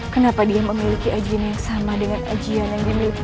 kenapa kau memanggilku ibu